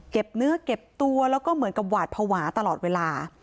เนื้อเก็บตัวแล้วก็เหมือนกับหวาดภาวะตลอดเวลา